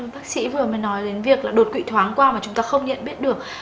bác sĩ vừa mới nói đến việc là đột quỵ thoáng qua mà chúng ta không nhận biết được